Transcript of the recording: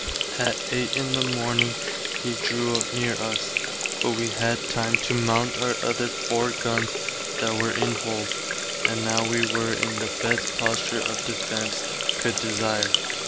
At 8 in the morning he drew near us, but wee had time to mount our other four guns that were in hold, and now wee were in the best posture of defence could desire.